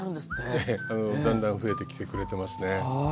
ええだんだん増えてきてくれてますね。